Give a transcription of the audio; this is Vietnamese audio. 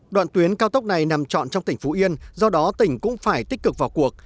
đoạn tuyến cao tốc này nằm trọn trong tỉnh phú yên do đó tỉnh cũng phải tích cực vào cuộc